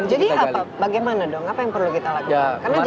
jadi bagaimana dong apa yang perlu kita lakukan